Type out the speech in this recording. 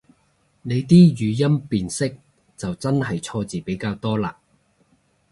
你啲語音辨識就真係錯字比較多嘞